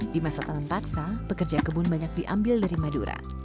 di masa tanam paksa pekerja kebun banyak diambil dari madura